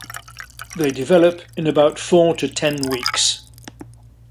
They develop in about four to ten weeks.